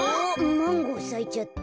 マンゴーさいちゃった。